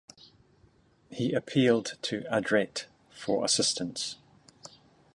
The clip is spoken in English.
He appealed to Adret for assistance.